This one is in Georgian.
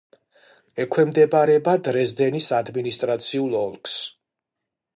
ექვემდებარება დრეზდენის ადმინისტრაციულ ოლქს.